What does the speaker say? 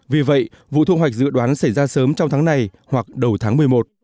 vì vậy vụ thu hoạch dự đoán xảy ra sớm trong tháng này hoặc đầu tháng một mươi một